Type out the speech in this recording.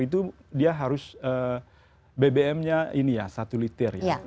itu dia harus bbm nya ini ya satu liter ya